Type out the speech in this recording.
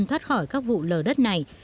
dân thoát khỏi các vụ lở đất này